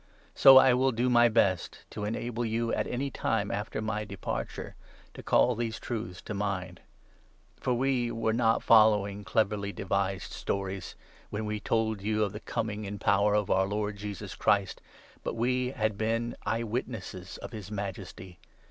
So I will do my best to enable you, at any 15 time after my departure, to call these truths to mind. For we were not following cleverly devised stories when we 16 told you of the Coming in power of our Lord Jesus Christ, but we had been eye witnesses of his majesty.